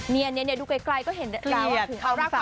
เนี่ยดูใกล้ก็เห็นราวว่าคืออันตรายความเหล่า